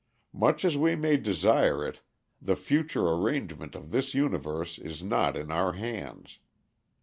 Much as we may desire it, the future arrangement of this universe is not in our hands.